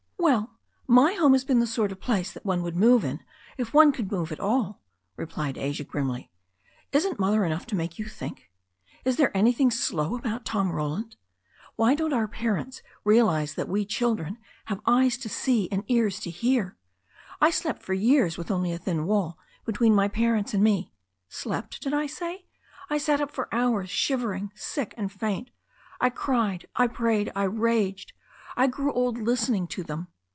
"Well, my home has been the sort of place that one would move in, if one could move at all," replied Asia grimly. "Isn't Mother enough to make you think? And is there anything slow about Tom Roland? Why don't our parents realize that we children have eyes to see and ears to hear? I slept for years with only a thin wall between my parents and me. Slept, did I say? I sat up for hours shivering, sick and faint. I cried, I prayed, I raged. I grew old lis tening to them.